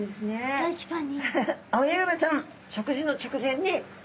確かに。